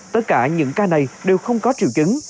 tất cả những ca này đều không có triệu chứng